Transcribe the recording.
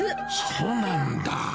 そうなんだ。